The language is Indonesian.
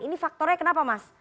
ini faktornya kenapa mas